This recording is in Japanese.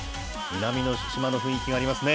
南の島の雰囲気がありますね。